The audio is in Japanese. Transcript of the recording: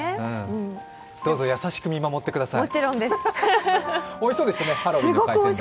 どうぞ優しく見守ってください。